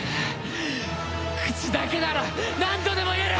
口だけならなんとでも言える！